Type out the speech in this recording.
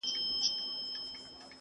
• په ترخو کي یې لذت بیا د خوږو دی..